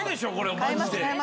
マジで。